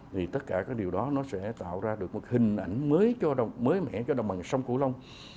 thì tất cả cái điều đó nó sẽ tạo ra được một hình ảnh mới mẻ cho đồng bằng sông cửu long